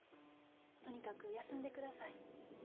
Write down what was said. とにかく休んでください。